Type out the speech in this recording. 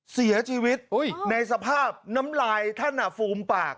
เสียชีวิตในสภาพน้ำลายท่านฟูมปาก